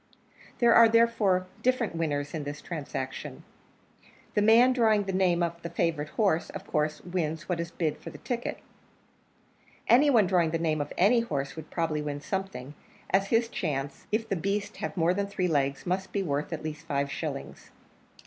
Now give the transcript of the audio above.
There are, therefore, different winners in this transaction; the man drawing the name of the favourite horse of course wins what is bid for the ticket; any one drawing the name of any horse would probably win something, as his chance, if the beast have more than three legs, must be worth at least five shillings.